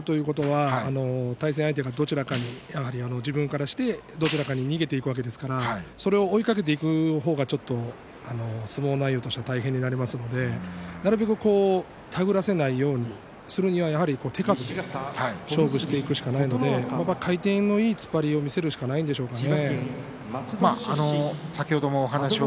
手繰りにいかれるということは対戦相手がどちらかに自分からして、どちらかに逃げていくわけですから追いかけていく方が相撲内容としては大変になりますのでなるべく手繰らせないようにするには手数で勝負していくしかないので回転のいい突っ張りを見せるしかないんでしょうね。